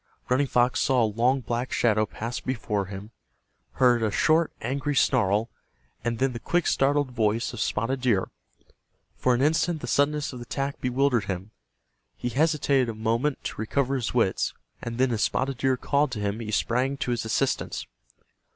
Running Fox saw a long black shadow pass before him, heard a short angry snarl, and then the quick startled voice of Spotted Deer. For an instant the suddenness of the attack bewildered him. He hesitated a moment to recover his wits, and then as Spotted Deer called to him he sprang to his assistance.